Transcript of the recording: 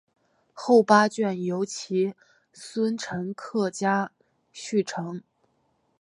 后八卷由其孙陈克家续成。